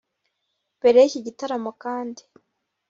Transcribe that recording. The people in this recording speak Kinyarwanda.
Mbere y’iki gitaramo kandi